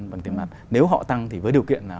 bằng tiền mặt nếu họ tăng thì với điều kiện là